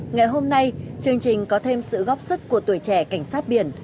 ngày hôm nay chương trình có thêm sự góp sức của tuổi trẻ cảnh sát biển